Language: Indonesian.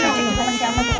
masih aman deh